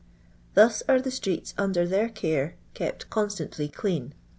Thus are the streets under ' their care kept constantly clean.